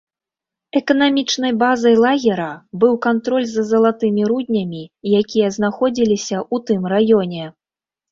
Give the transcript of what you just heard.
Эканамічнай базай лагера быў кантроль за залатымі руднямі, якія знаходзіліся ў тым раёне.